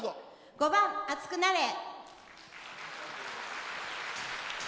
５番「熱くなれ」。